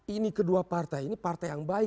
ini kedua partai ini partai yang baik